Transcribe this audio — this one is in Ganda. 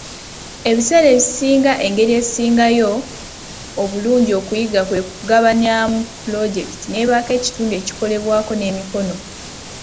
Ebiseera ebisinga engeri esingayo obulungi okuyiga kwe kugabanyaamu pulojekiti n'ebaako ekitundu ekikolebwako n'emikono.